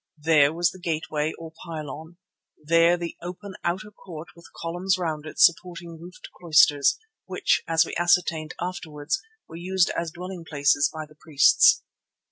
There was the gateway or pylon; there the open outer court with columns round it supporting roofed cloisters, which, as we ascertained afterwards, were used as dwelling places by the priests.